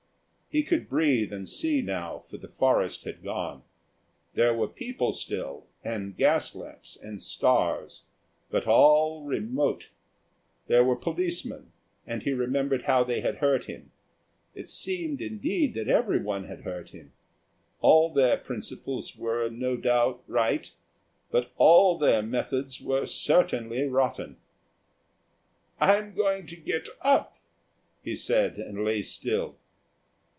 He could breathe and see now, for the forest had gone. There were people still, and gas lamps, and stars, but all remote. There were policemen, and he remembered how they had hurt him. It seemed, indeed, that everyone had hurt him. All their principles were no doubt right; but all their methods were certainly rotten. "I'm going to get up," he said, and lay still.